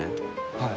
はい！